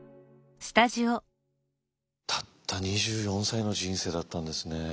たった２４歳の人生だったんですね。